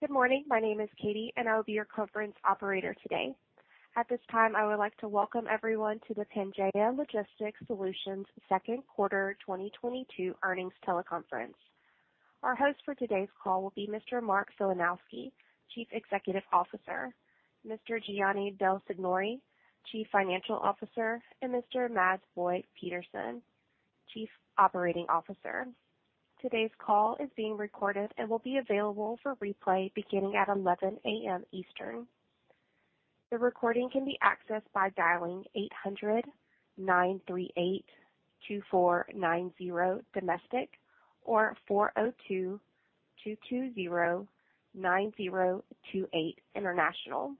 Good morning. My name is Katie, and I will be your conference operator today. At this time, I would like to welcome everyone to the Pangaea Logistics Solutions Second Quarter 2022 Earnings Call Conference. Our host for today's call will be Mr. Mark Filanowski, Chief Executive Officer, Mr. Gianni Del Signore, Chief Financial Officer, and Mr. Mads Boye Petersen, Chief Operating Officer. Today's call is being recorded and will be available for replay beginning at 11:00 A.M. Eastern. The recording can be accessed by dialing 800-938-2490 domestic or 402-220-9028 international.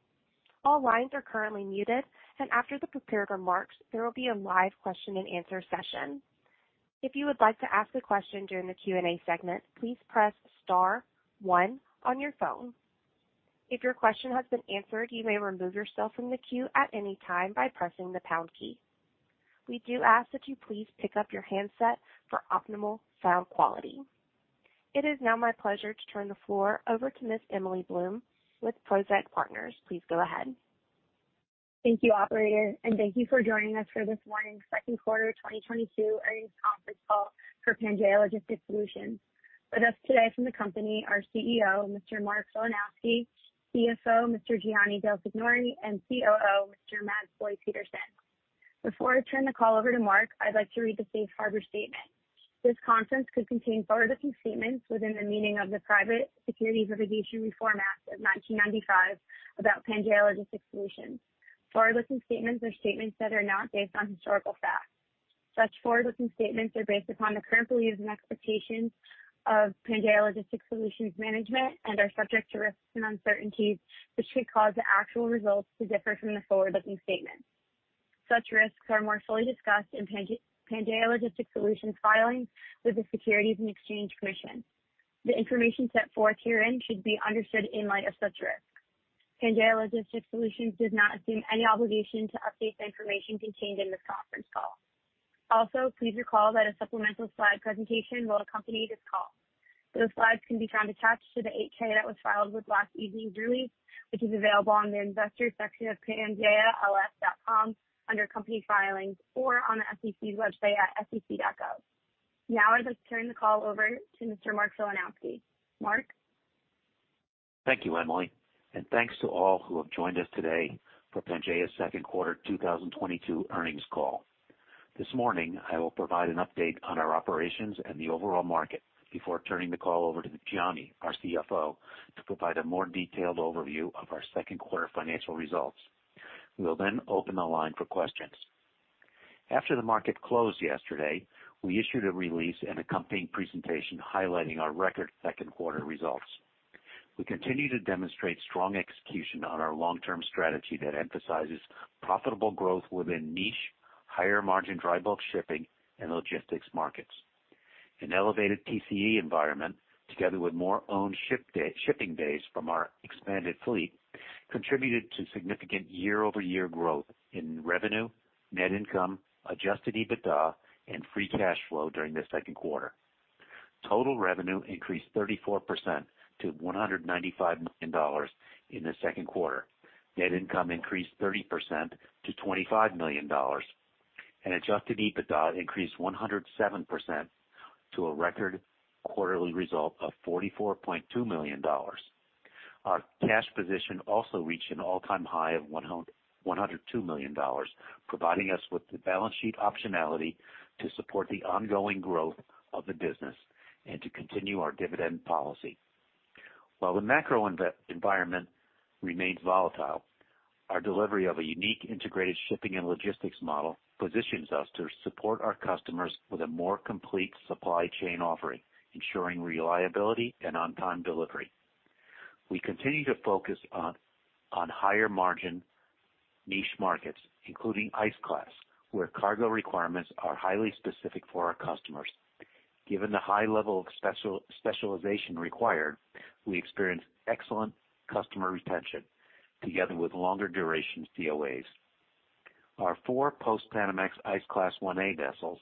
All lines are currently muted, and after the prepared remarks, there will be a live question-and-answer session. If you would like to ask a question during the Q&A segment, please press star one on your phone. If your question has been answered, you may remove yourself from the queue at any time by pressing the pound key. We do ask that you please pick up your handset for optimal sound quality. It is now my pleasure to turn the floor over to Ms. Emily Blum with Prosek Partners. Please go ahead. Thank you, operator, and thank you for joining us for this morning's second quarter 2022 earnings conference call for Pangaea Logistics Solutions. With us today from the company are CEO, Mr. Mark Filanowski, CFO, Mr. Gianni Del Signore, and COO, Mr. Mads Boye Petersen. Before I turn the call over to Mark, I'd like to read the safe harbor statement. This call could contain forward-looking statements within the meaning of the Private Securities Litigation Reform Act of 1995 about Pangaea Logistics Solutions. Forward-looking statements are statements that are not based on historical facts. Such forward-looking statements are based upon the current beliefs and expectations of Pangaea Logistics Solutions management and are subject to risks and uncertainties, which could cause the actual results to differ from the forward-looking statements. Such risks are more fully discussed in Pangaea Logistics Solutions filings with the Securities and Exchange Commission. The information set forth herein should be understood in light of such risks. Pangaea Logistics Solutions does not assume any obligation to update the information contained in this conference call. Also, please recall that a supplemental slide presentation will accompany this call. Those slides can be found attached to the 8-K that was filed with last evening's release, which is available on the investors section of pangaeals.com under Company Filings or on the SEC's website at sec.gov. Now I'd like to turn the call over to Mr. Mark Filanowski. Mark? Thank you, Emily, and thanks to all who have joined us today for Pangaea's second quarter 2022 earnings call. This morning, I will provide an update on our operations and the overall market before turning the call over to Gianni, our CFO, to provide a more detailed overview of our second quarter financial results. We will then open the line for questions. After the market closed yesterday, we issued a release and accompanying presentation highlighting our record second-quarter results. We continue to demonstrate strong execution on our long-term strategy that emphasizes profitable growth within niche, higher-margin dry bulk shipping and logistics markets. An elevated TCE environment, together with more owned ship-days from our expanded fleet, contributed to significant year-over-year growth in revenue, net income, adjusted EBITDA, and free cash flow during the second quarter. Total revenue increased 34% to $195 million in the second quarter. Net income increased 30% to $25 million. Adjusted EBITDA increased 107% to a record quarterly result of $44.2 million. Our cash position also reached an all-time high of $102 million, providing us with the balance sheet optionality to support the ongoing growth of the business and to continue our dividend policy. While the macro environment remains volatile, our delivery of a unique integrated shipping and logistics model positions us to support our customers with a more complete supply chain offering, ensuring reliability and on-time delivery. We continue to focus on higher-margin niche markets, including ice class, where cargo requirements are highly specific for our customers. Given the high level of specialization required, we experience excellent customer retention together with longer duration COAs. Our four Post-Panamax Ice Class 1A vessels,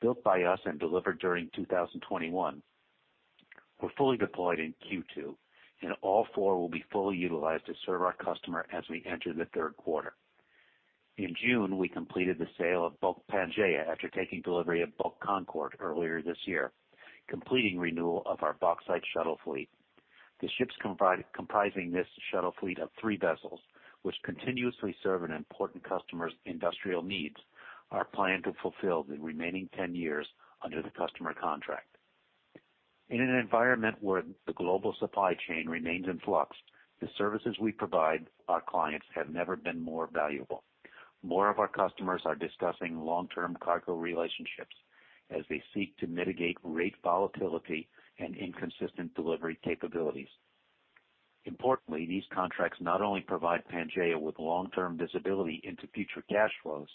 built by us and delivered during 2021, were fully deployed in Q2, and all four will be fully utilized to serve our customer as we enter the third quarter. In June, we completed the sale of Bulk Pangaea after taking delivery of Bulk Concord earlier this year, completing renewal of our bauxite shuttle fleet. The ships comprising this shuttle fleet of three vessels, which continuously serve an important customer's industrial needs, are planned to fulfill the remaining 10 years under the customer contract. In an environment where the global supply chain remains in flux, the services we provide our clients have never been more valuable. More of our customers are discussing long-term cargo relationships as they seek to mitigate rate volatility and inconsistent delivery capabilities. Importantly, these contracts not only provide Pangaea with long-term visibility into future cash flows,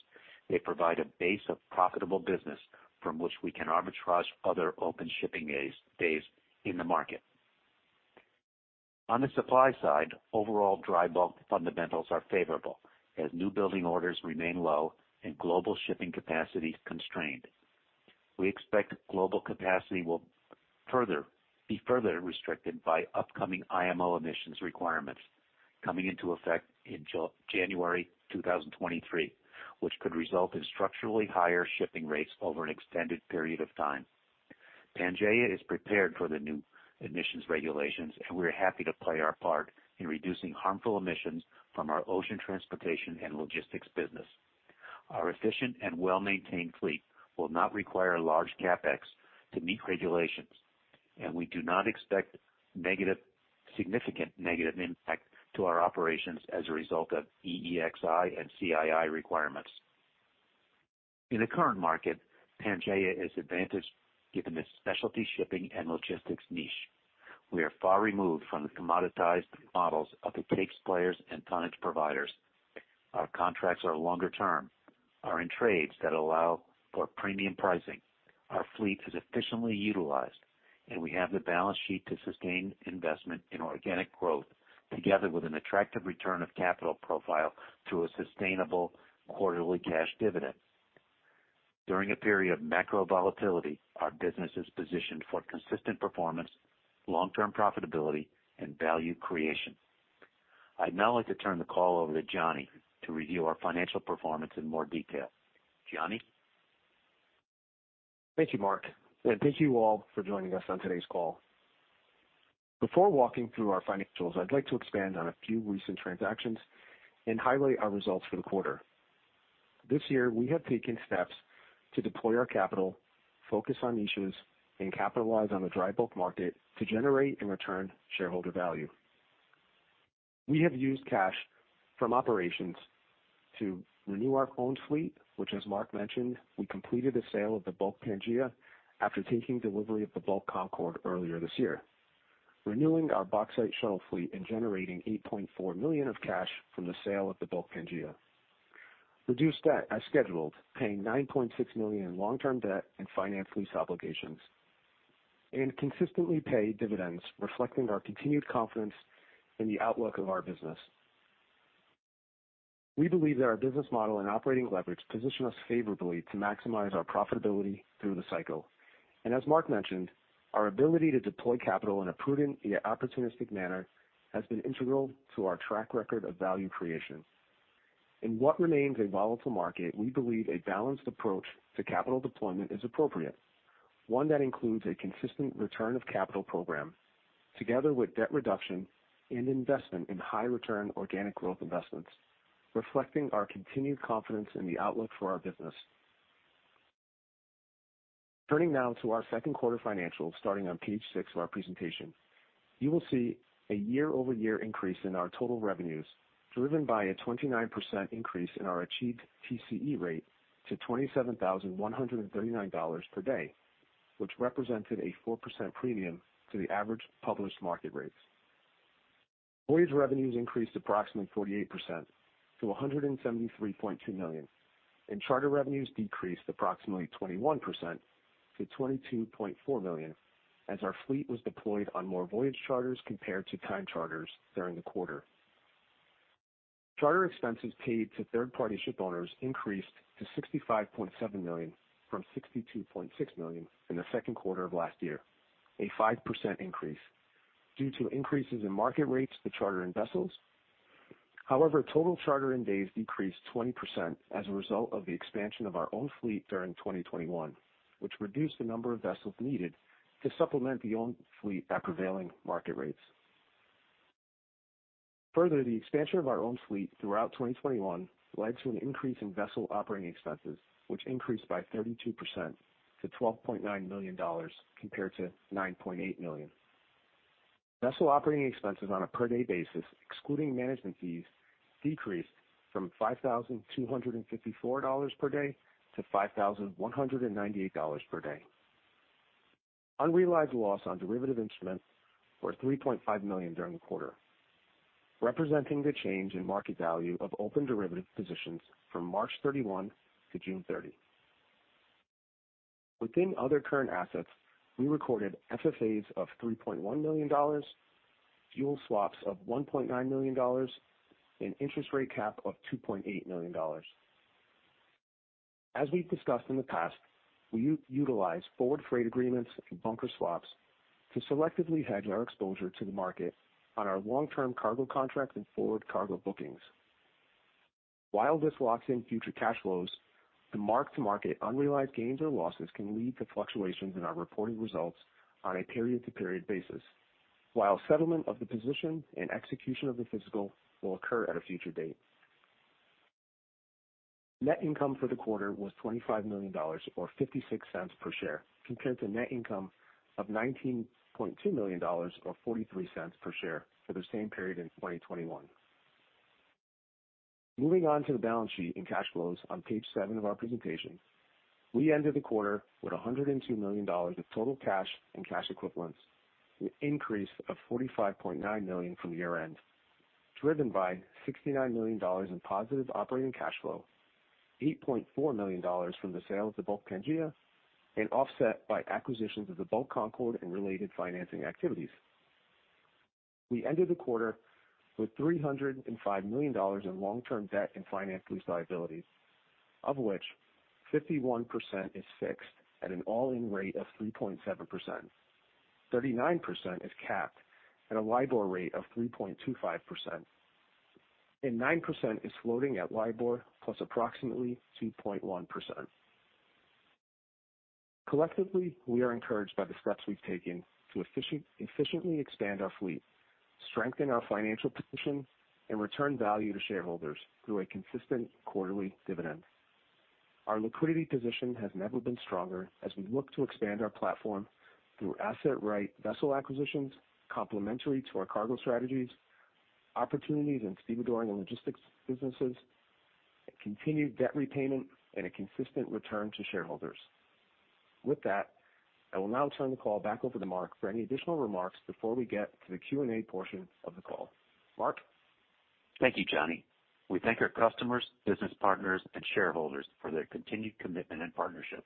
they provide a base of profitable business from which we can arbitrage other open shipping days in the market. On the supply side, overall dry bulk fundamentals are favorable as newbuilding orders remain low and global shipping capacity constrained. We expect global capacity will be further restricted by upcoming IMO emissions requirements coming into effect in January 2023, which could result in structurally higher shipping rates over an extended period of time. Pangaea is prepared for the new emissions regulations, and we're happy to play our part in reducing harmful emissions from our ocean transportation and logistics business. Our efficient and well-maintained fleet will not require large CapEx to meet regulations, and we do not expect significant negative impact to our operations as a result of EEXI and CII requirements. In the current market, Pangaea is advantaged given its specialty shipping and logistics niche. We are far removed from the commoditized models of the Capesize players and tonnage providers. Our contracts are longer-term, are in trades that allow for premium pricing. Our fleet is efficiently utilized, and we have the balance sheet to sustain investment in organic growth together with an attractive return of capital profile through a sustainable quarterly cash dividend. During a period of macro volatility, our business is positioned for consistent performance, long-term profitability, and value creation. I'd now like to turn the call over to Gianni to review our financial performance in more detail. Gianni? Thank you, Mark, and thank you all for joining us on today's call. Before walking through our financials, I'd like to expand on a few recent transactions and highlight our results for the quarter. This year, we have taken steps to deploy our capital, focus on niches, and capitalize on the dry bulk market to generate and return shareholder value. We have used cash from operations to renew our own fleet, which, as Mark mentioned, we completed the sale of the Bulk Pangaea after taking delivery of the Bulk Concord earlier this year, renewing our bauxite shuttle fleet and generating $8.4 million of cash from the sale of the Bulk Pangaea. Reduced debt as scheduled, paying $9.6 million in long-term debt and finance lease obligations, and consistently paid dividends reflecting our continued confidence in the outlook of our business. We believe that our business model and operating leverage position us favorably to maximize our profitability through the cycle. As Mark mentioned, our ability to deploy capital in a prudent yet opportunistic manner has been integral to our track record of value creation. In what remains a volatile market, we believe a balanced approach to capital deployment is appropriate, one that includes a consistent return of capital program together with debt reduction and investment in high return organic growth investments, reflecting our continued confidence in the outlook for our business. Turning now to our second quarter financials, starting on page six of our presentation. You will see a year-over-year increase in our total revenues, driven by a 29% increase in our achieved TCE rate to $27,139 per day, which represented a 4% premium to the average published market rates. Voyage revenues increased approximately 48% to $173.2 million, and charter revenues decreased approximately 21% to $22.4 million, as our fleet was deployed on more voyage charters compared to time charters during the quarter. Charter expenses paid to third-party ship owners increased to $65.7 million from $62.6 million in the second quarter of last year, a 5% increase due to increases in market rates to charter in vessels. However, total charter in days decreased 20% as a result of the expansion of our own fleet during 2021, which reduced the number of vessels needed to supplement the owned fleet at prevailing market rates. Further, the expansion of our own fleet throughout 2021 led to an increase in vessel operating expenses, which increased by 32% to $12.9 million compared to $9.8 million. Vessel operating expenses on a per-day basis, excluding management fees, decreased from $5,254 per day to $5,198 per day. Unrealized loss on derivative instruments were $3.5 million during the quarter, representing the change in market value of open derivative positions from March 31 to June 30. Within other current assets, we recorded FFAs of $3.1 million, fuel swaps of $1.9 million, and interest rate cap of $2.8 million. As we've discussed in the past, we utilize forward freight agreements and bunker swaps to selectively hedge our exposure to the market on our long-term cargo contracts and forward cargo bookings. While this locks in future cash flows, the mark-to-market unrealized gains or losses can lead to fluctuations in our reported results on a period-to-period basis, while settlement of the position and execution of the physical will occur at a future date. Net income for the quarter was $25 million, or $0.56 per share, compared to net income of $19.2 million or $0.43 per share for the same period in 2021. Moving on to the balance sheet and cash flows on page seven of our presentation. We ended the quarter with $102 million of total cash and cash equivalents, an increase of $45.9 million from year-end. Driven by $69 million in positive operating cash flow, $8.4 million from the sale of the Bulk Pangaea, and offset by acquisitions of the Bulk Concord and related financing activities. We ended the quarter with $305 million in long-term debt and finance lease liabilities, of which 51% is fixed at an all-in rate of 3.7%. 39% is capped at a LIBOR rate of 3.25%, and 9% is floating at LIBOR plus approximately 2.1%. Collectively, we are encouraged by the steps we've taken to efficiently expand our fleet, strengthen our financial position, and return value to shareholders through a consistent quarterly dividend. Our liquidity position has never been stronger as we look to expand our platform through asset-right vessel acquisitions, complementary to our cargo strategies, opportunities in stevedoring and logistics businesses, continued debt repayment, and a consistent return to shareholders. With that, I will now turn the call back over to Mark for any additional remarks before we get to the Q&A portion of the call. Mark? Thank you, Gianni. We thank our customers, business partners, and shareholders for their continued commitment and partnership.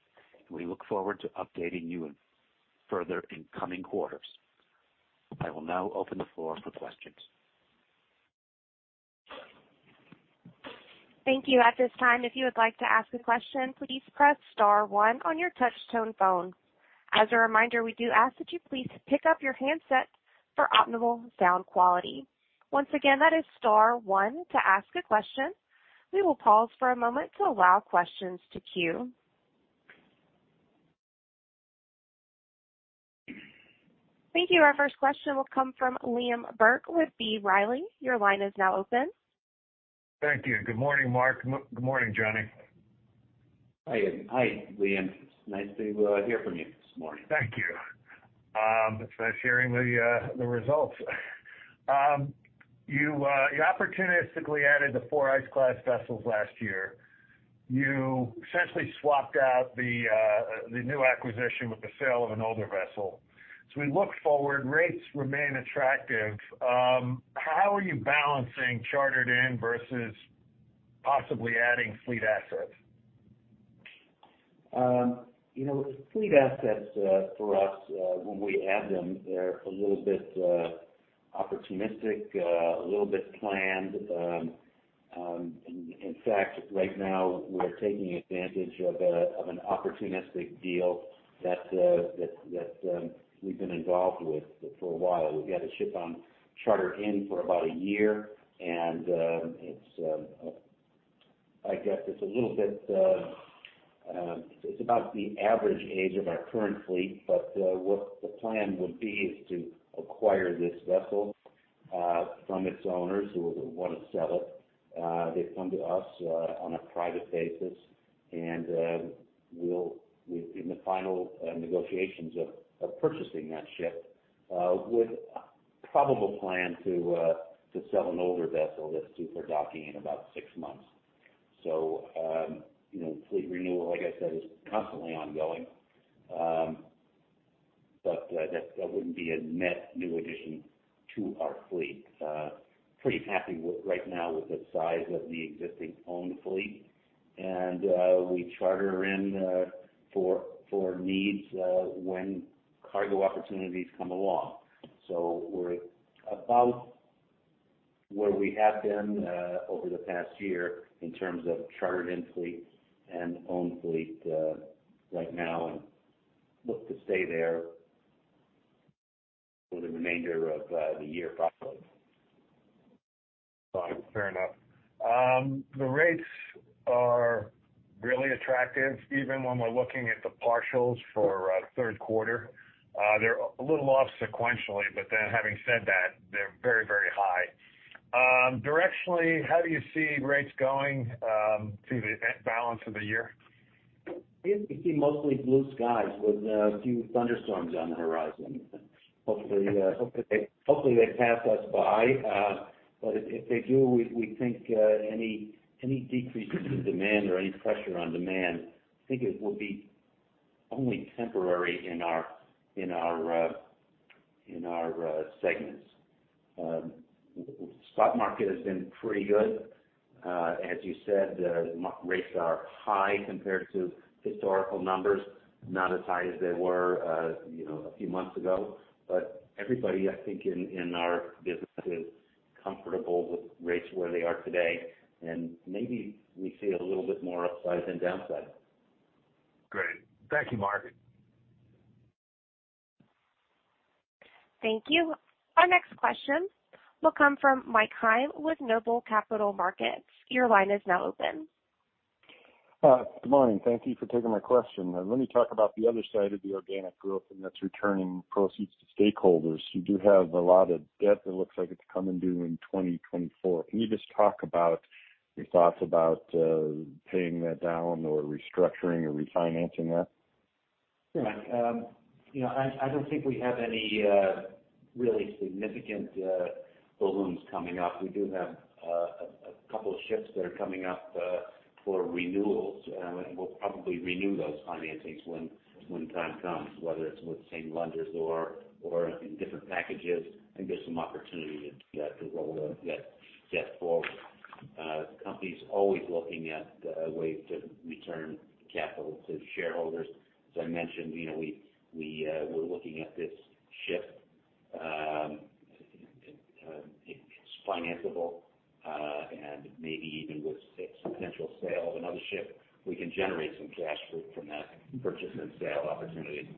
We look forward to updating you further in coming quarters. I will now open the floor for questions. Thank you. At this time, if you would like to ask a question, please press star one on your touch tone phone. As a reminder, we do ask that you please pick up your handset for optimal sound quality. Once again, that is star one to ask a question. We will pause for a moment to allow questions to queue. Thank you. Our first question will come from Liam Burke with B. Riley. Your line is now open. Thank you. Good morning, Mark. Good morning, Gianni. Hi. Hi, Liam. Nice to hear from you this morning. Thank you. You opportunistically added the four ice-class vessels last year. You essentially swapped out the new acquisition with the sale of an older vessel. We look forward. Rates remain attractive. How are you balancing chartered in versus possibly adding fleet assets? You know, fleet assets, for us, when we add them, they're a little bit opportunistic, a little bit planned. In fact, right now we're taking advantage of an opportunistic deal that we've been involved with for a while. We've had a ship on charter in for about a year, and it's, I guess, a little bit, it's about the average age of our current fleet. What the plan would be is to acquire this vessel from its owners who would want to sell it. They've come to us on a private basis, and we'll be in the final negotiations of purchasing that ship with a probable plan to sell an older vessel that's due for docking in about six months. You know, fleet renewal, like I said, is constantly ongoing. That wouldn't be a net new addition to our fleet. Pretty happy with right now with the size of the existing owned fleet. We charter in for needs when cargo opportunities come along. We're about where we have been over the past year in terms of chartered in fleet and owned fleet right now, and look to stay there for the remainder of the year, probably. Got it. Fair enough. The rates are really attractive, even when we're looking at the partials for third quarter. They're a little off sequentially, but then having said that, they're very, very high. Directionally, how do you see rates going through the balance of the year? We see mostly blue skies with a few thunderstorms on the horizon. Hopefully, they pass us by. If they do, we think any decreases in demand or any pressure on demand, I think it will be only temporary in our segments. Spot market has been pretty good. As you said, the rates are high compared to historical numbers, not as high as they were, you know, a few months ago. Everybody, I think, in our business is comfortable with rates where they are today, and maybe we see a little bit more upside than downside. Great. Thank you, Mark. Thank you. Our next question will come from Michael Heim with Noble Capital Markets. Your line is now open. Good morning. Thank you for taking my question. Let me talk about the other side of the organic growth, and that's returning proceeds to stakeholders. You do have a lot of debt that looks like it's coming due in 2024. Can you just talk about your thoughts about paying that down or restructuring or refinancing that? Yeah. You know, I don't think we have any really significant balloon payments coming up. We do have a couple of ships that are coming up for renewals. We'll probably renew those financings when time comes, whether it's with the same lenders or in different packages, and there's some opportunity to roll that forward. Company's always looking at ways to return capital to shareholders. As I mentioned, you know, we're looking at this ship, it's financeable, and maybe even with a potential sale of another ship, we can generate some cash flow from that purchase and sale opportunity.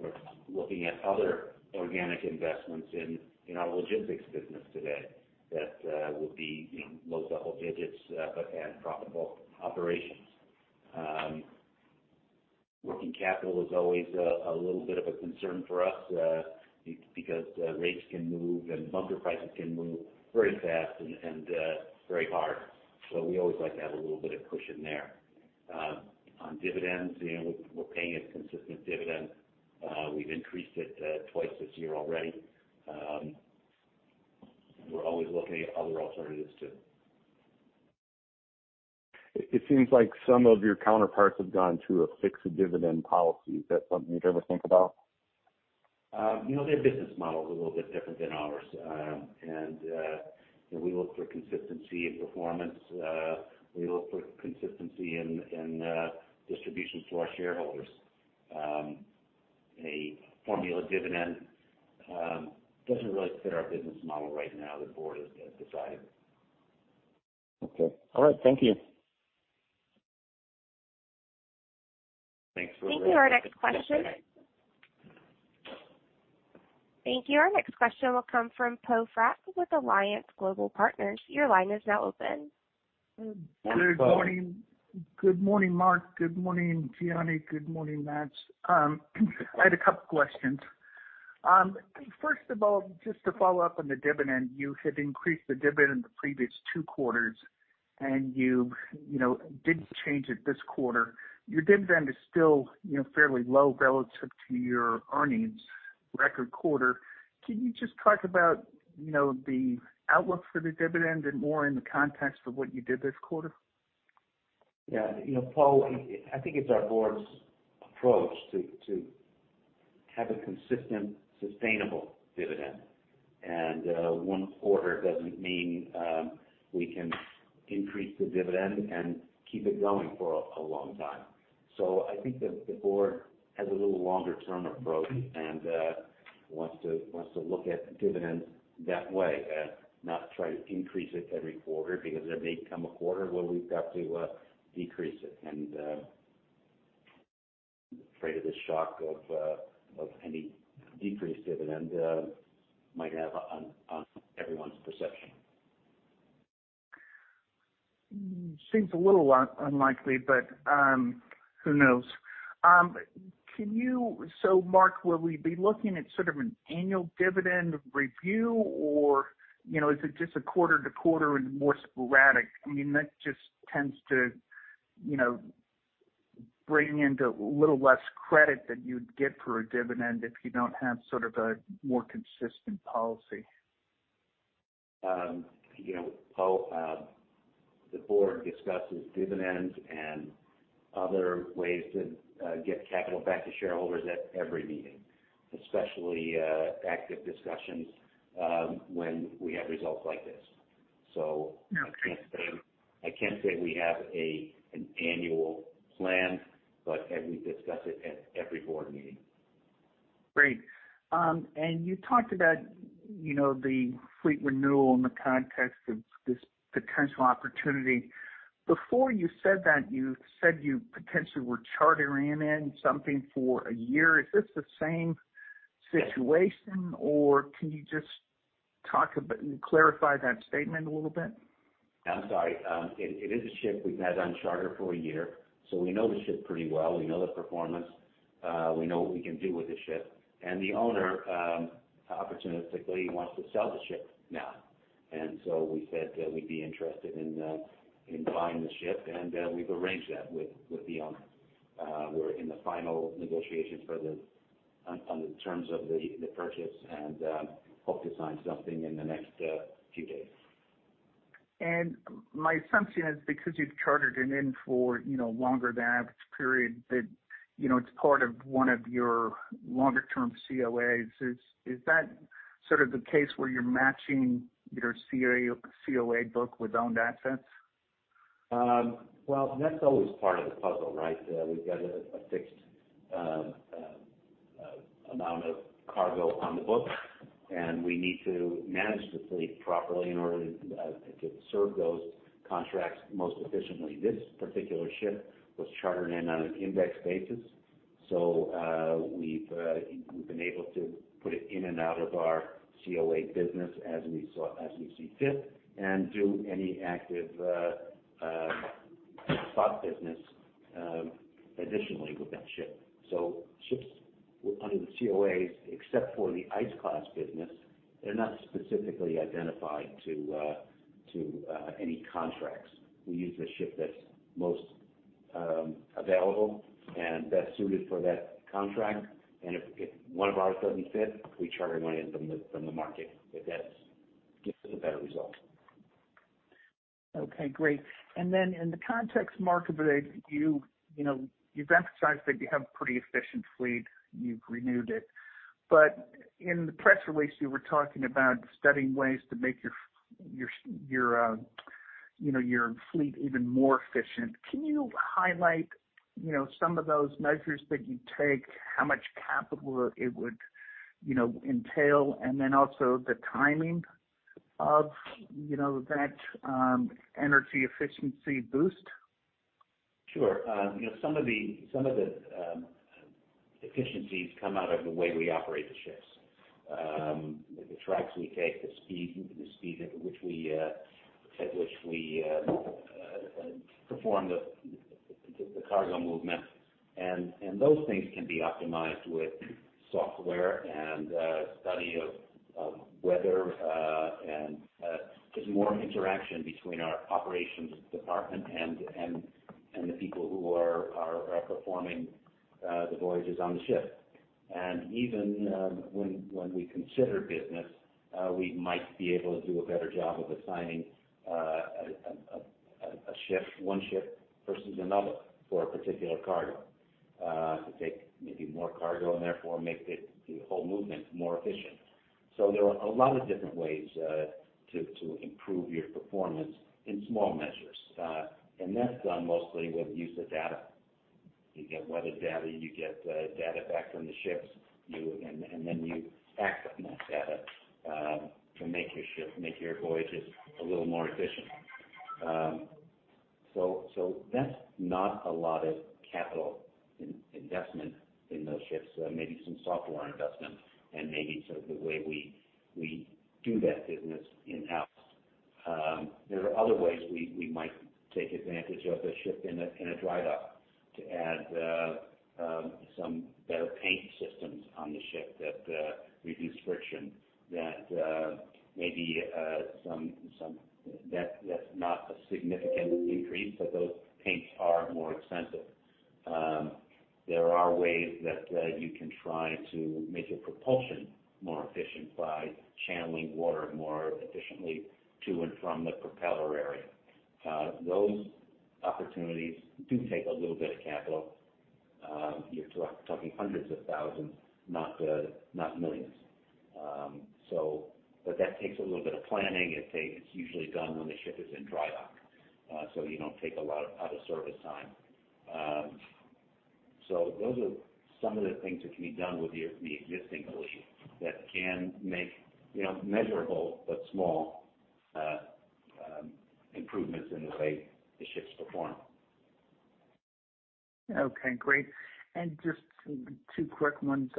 We're looking at other organic investments in our logistics business today that will be, you know, low double digits and profitable operations. Working capital is always a little bit of a concern for us, because rates can move and bunker prices can move very fast and very hard. We always like to have a little bit of cushion there. On dividends, you know, we're paying a consistent dividend. We've increased it twice this year already. We're always looking at other alternatives too. It seems like some of your counterparts have gone to a fixed dividend policy. Is that something you'd ever think about? You know, their business model is a little bit different than ours. You know, we look for consistency and performance. We look for consistency in distributions to our shareholders. A formula dividend doesn't really fit our business model right now, the board has decided. Okay. All right. Thank you. Thanks for the questions. Thank you. Our next question. Thank you. Our next question will come from Poe Fratt with Alliance Global Partners. Your line is now open. Yeah, Poe. Good morning. Good morning, Mark. Good morning, Gianni. Good morning, Mads. I had a couple questions. First of all, just to follow up on the dividend, you had increased the dividend the previous two quarters and you know, didn't change it this quarter. Your dividend is still, you know, fairly low relative to your earnings record quarter. Can you just talk about, you know, the outlook for the dividend and more in the context of what you did this quarter? Yeah. You know, Poe Fratt, I think it's our board's approach to have a consistent, sustainable dividend. One quarter doesn't mean we can increase the dividend and keep it going for a long time. I think the board has a little longer term approach and wants to look at dividends that way, not try to increase it every quarter because there may come a quarter where we've got to decrease it and afraid of the shock of any decreased dividend might have on everyone's perception. Seems a little unlikely, but who knows? Mark, will we be looking at sort of an annual dividend review or, you know, is it just a quarter to quarter and more sporadic? I mean, that just tends to, you know, bring into a little less credit than you'd get for a dividend if you don't have sort of a more consistent policy. You know, Poe Fratt, the board discusses dividends and other ways to get capital back to shareholders at every meeting, especially active discussions when we have results like this. Okay. I can't say we have an annual plan, and we discuss it at every board meeting. Great. You talked about, you know, the fleet renewal in the context of this potential opportunity. Before you said that, you said you potentially were chartering in something for a year. Is this the same situation or can you just talk a bit, clarify that statement a little bit? I'm sorry. It is a ship we've had on charter for a year, so we know the ship pretty well. We know the performance. We know what we can do with the ship. The owner opportunistically wants to sell the ship now. We said that we'd be interested in buying the ship and we've arranged that with the owner. We're in the final negotiations on the terms of the purchase and hope to sign something in the next few days. My assumption is because you've chartered it in for, you know, longer than average period that, you know, it's part of one of your longer term COAs. Is that sort of the case where you're matching your COA book with owned assets? Well, that's always part of the puzzle, right? We've got a fixed amount of cargo on the books, and we need to manage the fleet properly in order to serve those contracts most efficiently. This particular ship was chartered in on an index basis, so we've been able to put it in and out of our COA business as we saw, as we see fit and do any active spot business additionally with that ship. Ships under the COAs, except for the ice class business, they're not specifically identified to any contracts. We use the ship that's most available and best suited for that contract. If one of ours doesn't fit, we charter one in from the market if that gives us a better result. Okay, great. Then in the context, Mark, you know, you've emphasized that you have pretty efficient fleet, you've renewed it. In the press release, you were talking about studying ways to make your fleet even more efficient. Can you highlight, you know, some of those measures that you take? How much capital it would, you know, entail, and then also the timing of, you know, that energy efficiency boost? Sure. You know, some of the efficiencies come out of the way we operate the ships. The tracks we take, the speed at which we perform the cargo movement. Those things can be optimized with software and study of weather and just more interaction between our operations department and the people who are performing the voyages on the ship. Even when we consider business, we might be able to do a better job of assigning a ship, one ship versus another for a particular cargo to take maybe more cargo and therefore make the whole movement more efficient. There are a lot of different ways to improve your performance in small measures. That's done mostly with use of data. You get weather data, you get data back from the ships, then you act on that data to make your ship, make your voyages a little more efficient. That's not a lot of capital investment in those ships. Maybe some software investment and maybe sort of the way we do that business in-house. There are other ways we might take advantage of a ship in a dry dock to add some better paint systems on the ship that reduce friction. That's not a significant increase, but those paints are more expensive. There are ways that you can try to make your propulsion more efficient by channeling water more efficiently to and from the propeller area. Those opportunities do take a little bit of capital. You're talking hundreds of thousands, not millions. That takes a little bit of planning. It's usually done when the ship is in dry dock, so you don't take a lot of out of service time. Those are some of the things that can be done with the existing fleet that can make, you know, measurable but small improvements in the way the ships perform. Okay, great. Just two quick ones.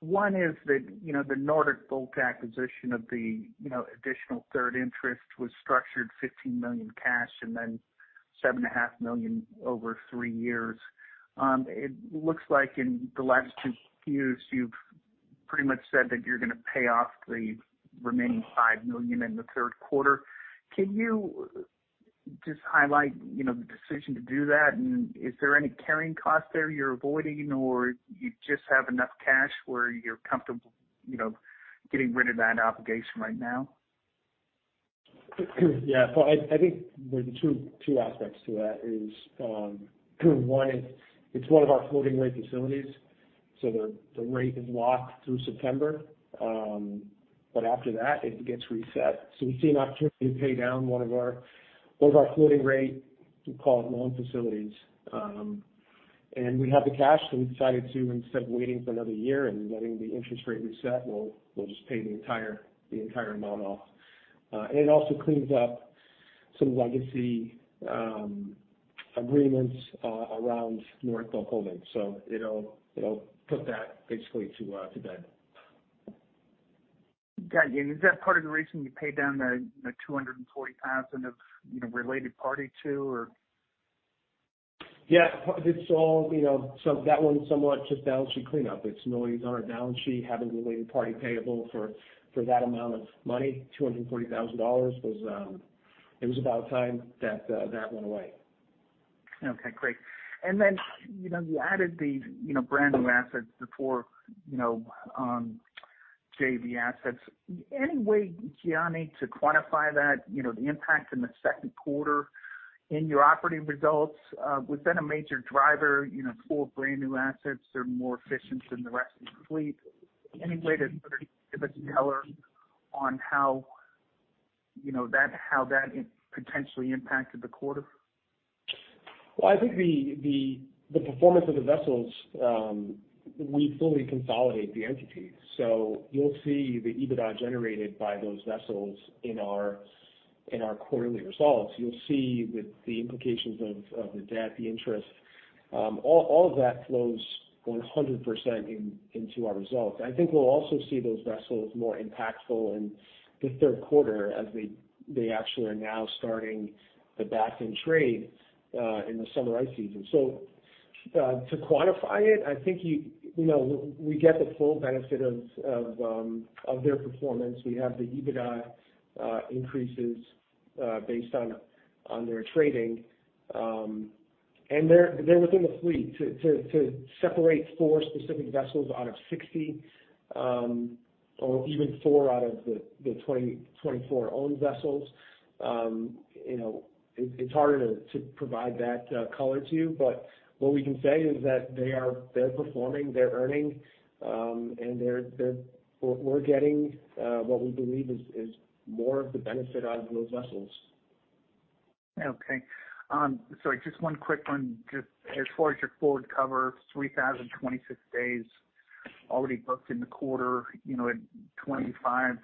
One is the, you know, Nordic Bulk acquisition of the, you know, additional third interest was structured $15 million cash and then $7.5 million over three years. It looks like in the last two years you've pretty much said that you're gonna pay off the remaining $5 million in the third quarter. Can you just highlight, you know, the decision to do that? Is there any carrying cost there you're avoiding or you just have enough cash where you're comfortable, you know, getting rid of that obligation right now? Yeah. I think there are two aspects to that is, one is it's one of our floating rate facilities, so the rate is locked through September. After that it gets reset. We see an opportunity to pay down one of our floating rate, we call it loan facilities, and we have the cash, so we decided to instead of waiting for another year and letting the interest rate reset, we'll just pay the entire amount off, and it also cleans up some legacy agreements around Nordic Bulk Holdings. It'll put that basically to bed. Got you. Is that part of the reason you paid down the $240,000 of, you know, related party too, or? Yeah. It's all, you know, so that one's somewhat just balance sheet cleanup. It's millions on our balance sheet, having the related party payable for that amount of money, $240,000 was, it was about time that that went away. Okay, great. Then, you know, you added the, you know, brand new assets, the four, you know, JV assets. Anyway, Gianni, to quantify that, you know, the impact in the second quarter in your operating results, was that a major driver, you know, four brand new assets are more efficient than the rest of the fleet. Anyway, to sort of give us a color on how you know that, how that potentially impacted the quarter? Well, I think the performance of the vessels. We fully consolidate the entities, so you'll see the EBITDA generated by those vessels in our quarterly results. You'll see the implications of the debt, the interest, all of that flows 100% into our results. I think we'll also see those vessels more impactful in the third quarter as they actually are now starting the back-end trade in the summer ice season. To quantify it, I think you know we get the full benefit of their performance. We have the EBITDA increases based on their trading. They're within the fleet. To separate four specific vessels out of 60, or even four out of the 24 owned vessels, you know, it's harder to provide that color to you. But what we can say is that they're performing, they're earning, and we're getting what we believe is more of the benefit out of those vessels. Okay. Sorry, just one quick one. Just as far as your forward cover, 3,026 days already booked in the quarter, you know, at 25-6,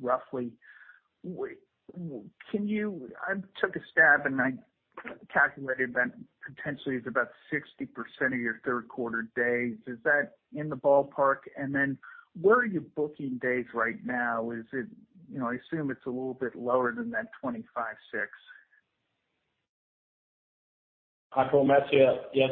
roughly. I took a stab and I calculated that potentially it's about 60% of your third quarter days. Is that in the ballpark? Where are you booking days right now? Is it, you know, I assume it's a little bit lower than that 25-6. Hi, Paul. Mads here. Yeah.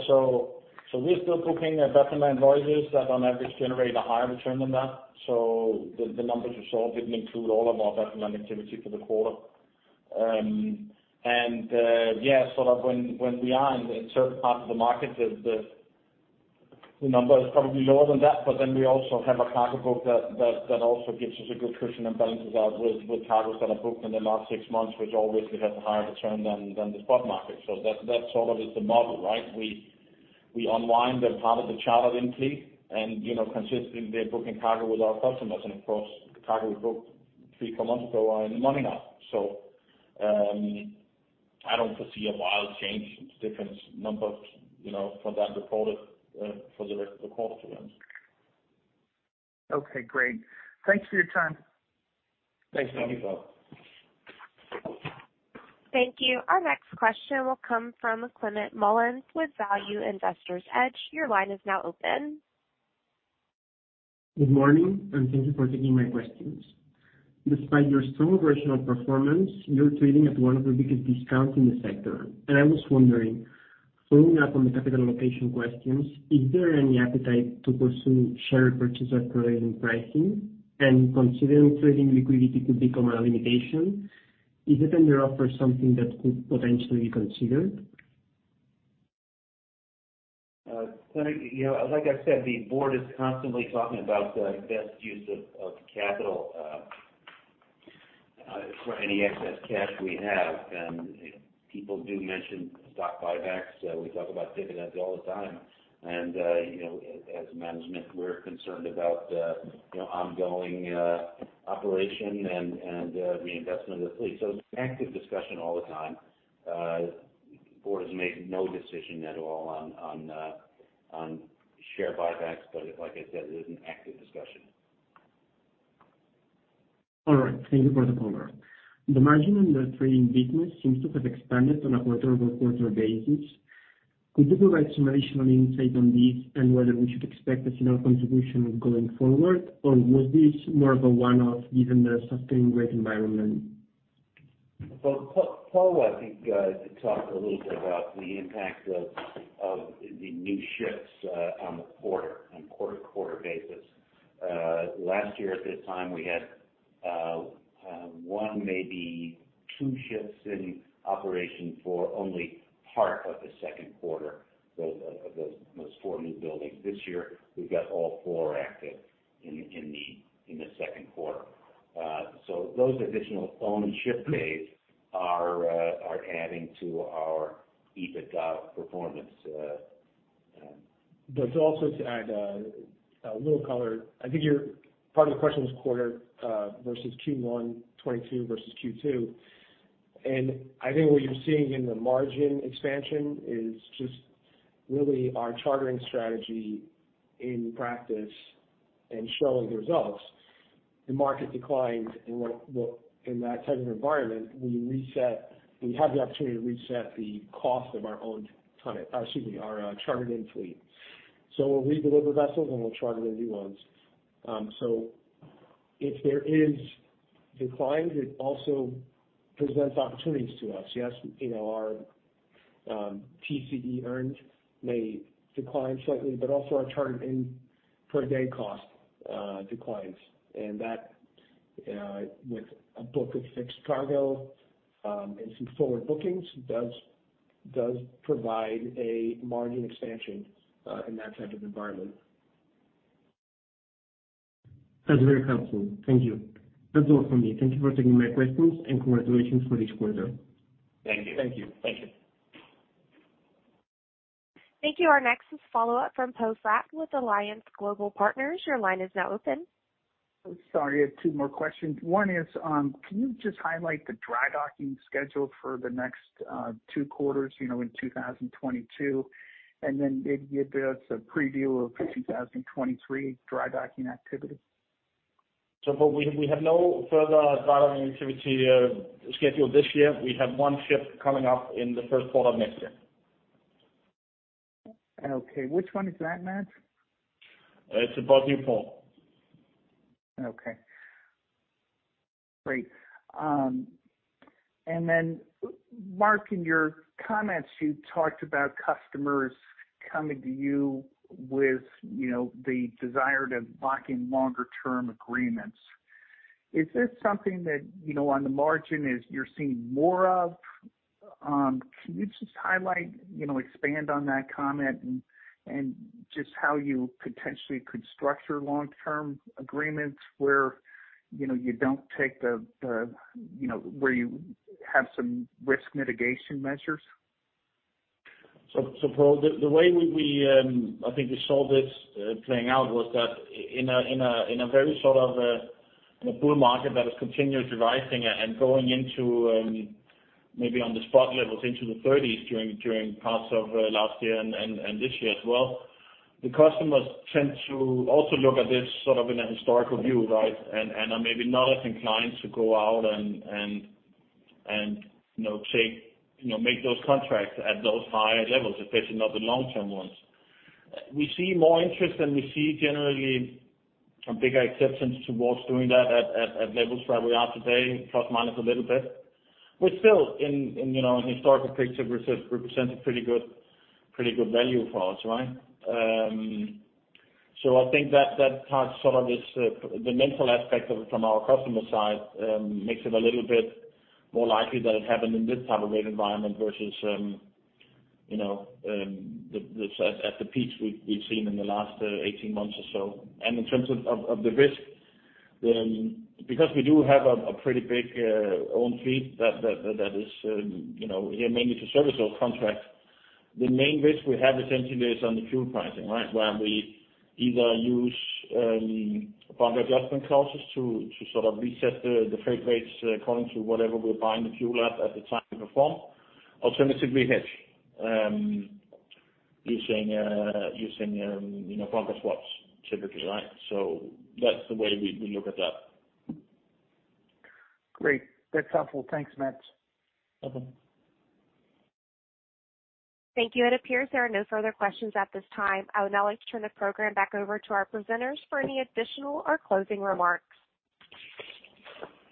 We're still booking better than voyages that on average generate a higher return than that. The numbers you saw didn't include all of our better than activity for the quarter. Yeah, sort of when we are in certain parts of the market, the number is probably lower than that. We also have a cargo book that also gives us a good cushion and balances out with cargoes that are booked in the last six months, which always has a higher return than the spot market. That sort of is the model, right? We unwind a part of the charter fleet and you know, consistently they're booking cargo with our customers. Of course, the cargo we booked three or four months ago are in the money now. I don't foresee a wild change in different numbers, you know, from that reported for the rest of the quarter then. Okay, great. Thanks for your time. Thanks. Thank you, Poe. Thank you. Our next question will come from Climent Molins with Value Investor's Edge. Your line is now open. Good morning, and thank you for taking my questions. Despite your strong operational performance, you're trading at one of the biggest discounts in the sector. I was wondering, following up on the capital allocation questions, is there any appetite to pursue share repurchase authorization pricing? Considering trading liquidity could become a limitation, is a tender offer something that could potentially be considered? You know, like I said, the board is constantly talking about the best use of capital for any excess cash we have. People do mention stock buybacks. We talk about dividends all the time. You know, as management, we're concerned about you know, ongoing operation and reinvestment of the fleet. It's an active discussion all the time. The board has made no decision at all on share buybacks. Like I said, it is an active discussion. All right. Thank you for the color. The margin in the trading business seems to have expanded on a quarter-over-quarter basis. Could you provide some additional insight on this and whether we should expect a similar contribution going forward? Or was this more of a one-off given the sustained rate environment? Paul, I think talked a little bit about the impact of the new ships on the quarter, on quarter-to-quarter basis. Last year at this time, we had one, maybe two ships in operation for only part of the second quarter. Those four new buildings. This year, we've got all four active in the second quarter. Those additional owned ship days are adding to our EBITDA performance. Also to add a little color. I think your part of the question was quarter versus Q1 2022 versus Q2. I think what you're seeing in the margin expansion is just really our chartering strategy in practice and showing the results. The market declined. In that type of environment, we reset. We have the opportunity to reset the cost of our chartered-in fleet. So we'll redeliver vessels and we'll charter the new ones. If there is decline, it also presents opportunities to us. Our TCE earned may decline slightly, but also our chartered-in per day cost declines. That with a book of fixed cargo and some forward bookings does provide a margin expansion in that type of environment. That's very helpful. Thank you. That's all from me. Thank you for taking my questions and congratulations for this quarter. Thank you. Thank you. Thank you. Thank you. Our next is follow-up from Poe Fratt with Alliance Global Partners. Your line is now open. Sorry, I have two more questions. One is, can you just highlight the dry docking schedule for the next two quarters, you know, in 2022? Maybe give us a preview of 2023 dry docking activity. Poe Fratt, we have no further dry docking activity scheduled this year. We have one ship coming up in the first quarter of next year. Okay. Which one is that, Mads? It's the Bulk Botnia, Poe. Okay. Great. Mark, in your comments, you talked about customers coming to you with, you know, the desire to lock in longer term agreements. Is this something that, you know, on the margin is, you're seeing more of? Can you just highlight, you know, expand on that comment and just how you potentially could structure long-term agreements where, you know, you don't take the, you know, where you have some risk mitigation measures. Poe Fratt, the way we I think we saw this playing out was that in a very sort of in a bull market that is continuously rising and going into maybe on the spot levels into the 30s during parts of last year and this year as well, the customers tend to also look at this sort of in a historical view, right, and are maybe not as inclined to go out and you know take you know make those contracts at those higher levels, especially not the long-term ones. We see more interest and we see generally a bigger acceptance towards doing that at levels where we are today, plus minus a little bit. We're still in, you know, historical perspective represent a pretty good value for us, right? So I think that part sort of is the mental aspect of it from our customer side makes it a little bit more likely that it happened in this type of rate environment versus, you know, at the peak we've seen in the last 18 months or so. In terms of the risk, because we do have a pretty big own fleet that is, you know, here mainly to service those contracts. The main risk we have essentially based on the fuel pricing, right, where we either use bunker adjustment clauses to sort of reset the freight rates according to whatever we're buying the fuel at the time we perform. Alternatively, hedge using you know bunker swaps typically, right? That's the way we look at that. Great. That's helpful. Thanks, Mads. Welcome. Thank you. It appears there are no further questions at this time. I would now like to turn the program back over to our presenters for any additional or closing remarks.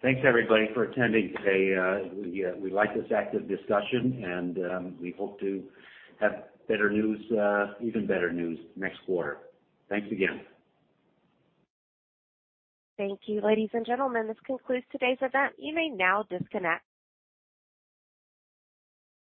Thanks everybody for attending today. We like this active discussion and we hope to have better news, even better news next quarter. Thanks again. Thank you. Ladies and gentlemen, this concludes today's event. You may now disconnect.